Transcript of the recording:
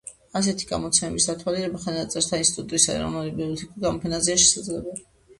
ასეთი გამოცემების დათვალიერება ხელნაწერთა ინსტიტუტისა და ეროვნული ბიბლიოთეკის გამოფენებზეა შესაძლებელი.